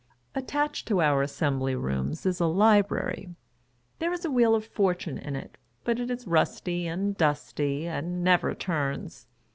Attached to our Assembly Rooms is a Library. There is a Wheel of Fortune in it, but it is rusty and dusty, and never turns.